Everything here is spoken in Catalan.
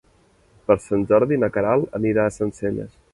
Per Sant Jordi na Queralt anirà a Sencelles.